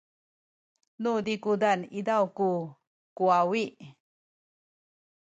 nu zikuzan izaw ku kuwawi